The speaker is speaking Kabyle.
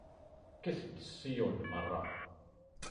Kket-d Ṣiyun merra.